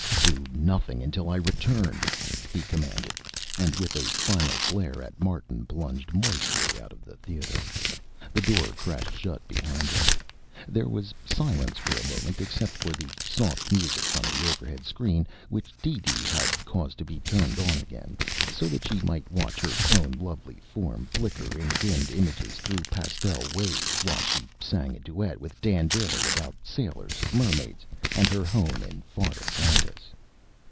"Do nothing until I return!" he commanded, and with a final glare at Martin plunged moistly out of the theater. The door crashed shut behind him. There was silence for a moment except for the soft music from the overhead screen which DeeDee had caused to be turned on again, so that she might watch her own lovely form flicker in dimmed images through pastel waves, while she sang a duet with Dan Dailey about sailors, mermaids and her home in far Atlantis.